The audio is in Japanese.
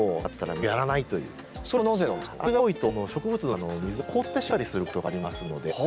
水が多いと植物の中の水が凍ってしまったりすることがありますので。